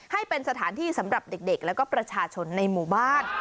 ให้เป็นสถานที่สำหรับเด็กแล้วก็ประชาชนในหมู่บ้าน